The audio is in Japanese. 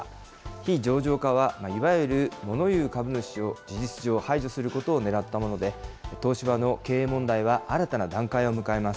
非上場化は、いわゆるもの言う株主を事実上、排除することをねらったもので、東芝の経営問題は新たな段階を迎えます。